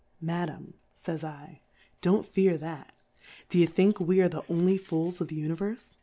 Madam, fajs /, don't fear that, d^e think we are the only Fools of the Uni verfe